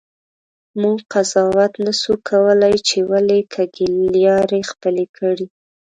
مونږ قضاوت نسو کولی چې ولي کږې لیارې خپلي کړي.